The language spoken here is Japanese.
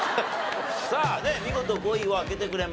さあ見事５位を開けてくれました。